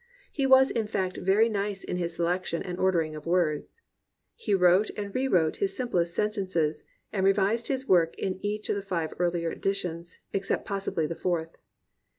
He was in fact very nice in his selection and ordering of words. He wrote and rewrote his simplest sen tences and revised his work in each of the five earlier editions, except possibly the fourth.